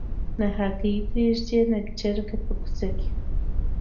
نه هګۍ پرېږدي نه چرګه په کوڅه کي